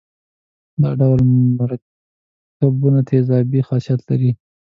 دا ډول مرکبونه تیزابي خاصیت لري.